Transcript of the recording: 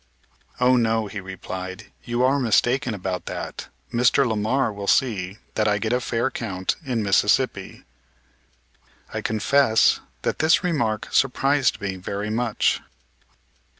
"Oh, no," he replied, "you are mistaken about that. Mr. Lamar will see that I get a fair count in Mississippi." I confess that this remark surprised me very much.